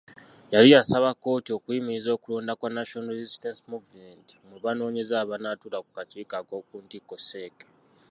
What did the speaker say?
Yali yasaba kkooti okuyimiriza okulonda kwa National Resistance Movement mwe banoonyeza abanatuula ku kakiiko ak’okuntikko CEC.